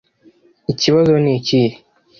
Ikibazo nikihe?